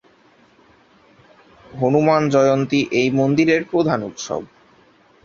হনুমান জয়ন্তী এই মন্দিরের প্রধান উৎসব।